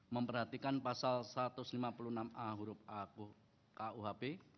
memperhatikan pasal satu ratus lima puluh enam a huruf a kuhp